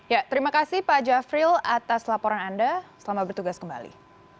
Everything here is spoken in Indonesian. ya terima kasih pak jafril atas laporan anda selamat bertugas kembali